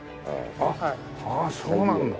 ああそうなんだ。